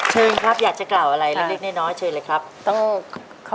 เชิญครับอยากจะกล่าวอะไรเล็กน้อยเชิญเลยครับ